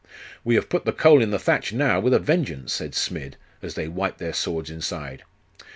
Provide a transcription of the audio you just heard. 'We have put the coal in the thatch, now, with a vengeance,' said Smid, as they wiped their swords inside.